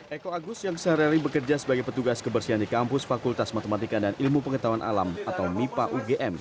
eko agus yang sehari hari bekerja sebagai petugas kebersihan di kampus fakultas matematika dan ilmu pengetahuan alam atau mipa ugm